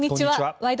「ワイド！